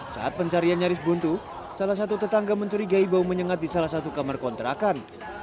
saat pencarian nyaris buntu salah satu tetangga mencurigai bau menyengat di salah satu kamar kontrakan